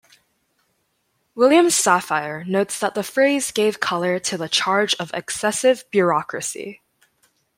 William Safire notes that the phrase gave color to the charge of excessive bureaucracy.